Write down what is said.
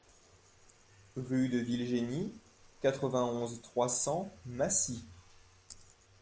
Rue de Vilgénis, quatre-vingt-onze, trois cents Massy